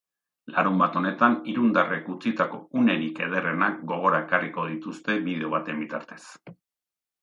Larunbat honetan irundarrek utzitako unerik ederrenak gogora ekarriko dituzte bideo baten bitartez.